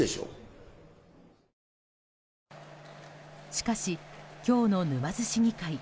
しかし、今日の沼津市議会。